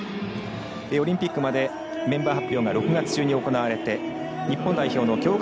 オリンピックまでメンバー発表が６月中に行われて日本代表の強化